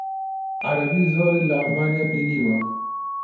عەرەبی زۆرت لە ئەڵمانیا بینیوە؟